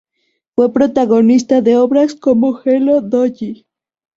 Fue protagonista de obras como "Hello, Dolly!